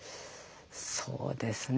そうですね